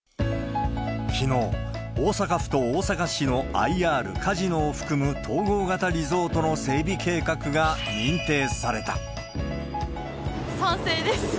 きのう、大阪府と大阪市のＩＲ・カジノを含む統合型リゾートの整備計画が賛成です。